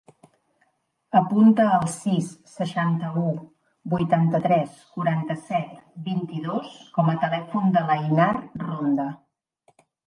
Apunta el sis, seixanta-u, vuitanta-tres, quaranta-set, vint-i-dos com a telèfon de l'Einar Ronda.